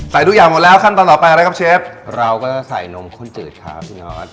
ใส่ทุกอย่างหมดแล้วขั้นตอนต่อไปอะไรครับเชฟเราก็จะใส่นมข้นจืดครับพี่นอท